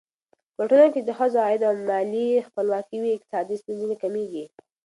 په ټولنه کې چې د ښځو عايد او مالي خپلواکي وي، اقتصادي ستونزې کمېږي.